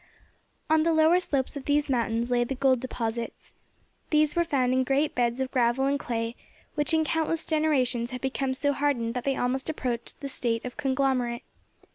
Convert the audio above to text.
On the lower slopes of these mountains lay the gold deposits. These were found in great beds of gravel and clay, which in countless generations had become so hardened that they almost approached the state of conglomerate.